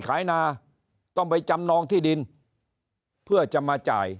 นาต้องไปจำนองที่ดินเพื่อจะมาจ่าย